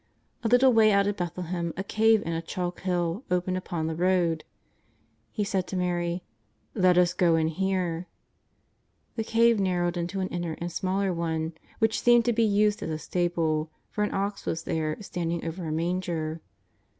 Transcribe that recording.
A little way out of Beth lehem a cave in a chalk hill opened upon the road. He said to Mary: ^' Let us go in here." The cave nar rowed into an inner and smaller one, which seemed to be used as a stable, for an ox was there standing over a manger.